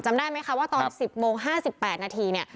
จำได้ไหมคะว่าตอน๑๐โมง๕๘นาที